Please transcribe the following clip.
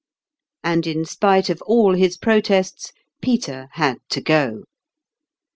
And, in spite of all his protests, Peter had to go.